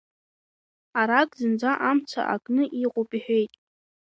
Арак зынӡа амца акны иҟоуп, иҳәеит.